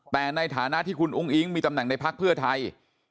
แต่ในฐานะที่คุณอุ้งอิ๊งมีตำแหน่งในพักเพื่อไทย